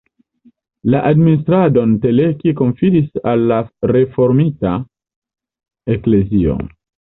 La administradon Teleki konfidis al la reformita eklezio.